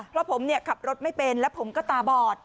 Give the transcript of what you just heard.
เพราะผมขับรถไม่เป็นแล้วผมก็ตาบอด